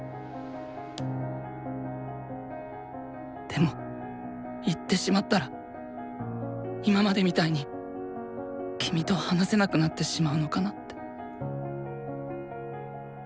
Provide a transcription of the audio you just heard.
でも言ってしまったら今までみたいに君と話せなくなってしまうのかなって。